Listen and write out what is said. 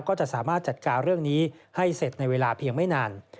ก็จะสามารถจัดการเรื่องนี้ให้เสร็จในเวลาเพียงไม่นาน